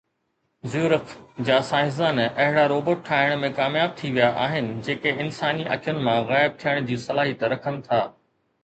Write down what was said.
زيورخ جا سائنسدان اهڙا روبوٽ ٺاهڻ ۾ ڪامياب ٿي ويا آهن جيڪي انساني اکين مان غائب ٿيڻ جي صلاحيت رکن ٿا